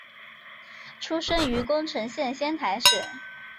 出身于宫城县仙台市。